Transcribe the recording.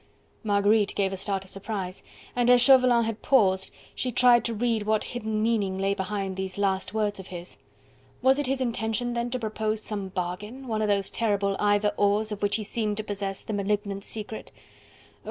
Marguerite gave a start of surprise, and as Chauvelin had paused she tried to read what hidden meaning lay behind these last words of his. Was it his intention then to propose some bargain, one of those terrible "either or's" of which he seemed to possess the malignant secret? Oh!